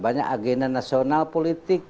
banyak agenda nasional politik